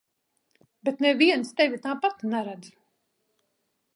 Bet neviens tevi tāpat neredz.